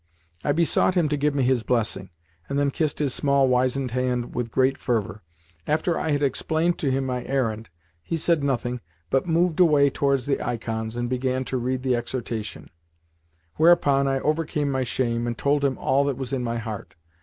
I besought him to give me his blessing, and then kissed his small, wizened hand with great fervour. After I had explained to him my errand he said nothing, but moved away towards the ikons, and began to read the exhortation: whereupon I overcame my shame, and told him all that was in my heart.